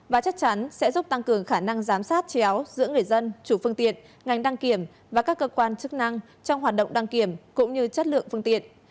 và chắc chắn sẽ giúp tăng cường khả năng giám sát chéo giữa người dân chủ phương tiện ngành đăng kiểm và các cơ quan chức năng trong hoạt động đăng kiểm cũng như chất lượng phương tiện